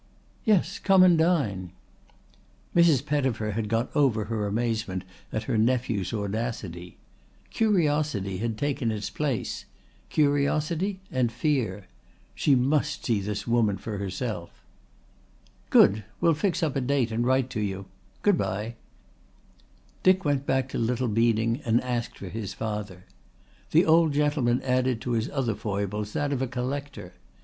"Yes, come and dine." Mrs. Pettifer had got over her amazement at her nephew's audacity. Curiosity had taken its place curiosity and fear. She must see this woman for herself. "Yes," she answered after a pause. "I will come. I'll bring Robert too." "Good. We'll fix up a date and write to you. Goodbye." Dick went back to Little Beeding and asked for his father. The old gentleman added to his other foibles that of a collector.